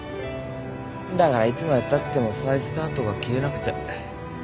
だからいつまでたっても再スタートが切れなくて。